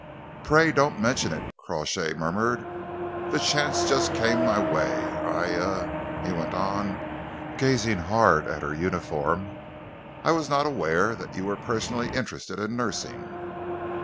"Pray don't mention it," Crawshay murmured. "The chance just came my way. I er " he went on, gazing hard at her uniform, "I was not aware that you were personally interested in nursing."